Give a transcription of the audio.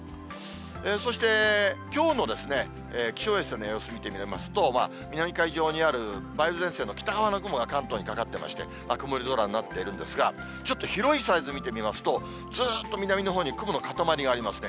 そしてきょうの気象衛星の様子見てみますと、南海上にある梅雨前線の北側の雲が関東にかかってまして、曇り空になっているんですが、ちょっと広いサイズ見てみますと、ずーっと南のほうに雲の固まりがありますね。